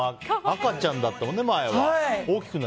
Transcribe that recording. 赤ちゃんだったもんね、前は。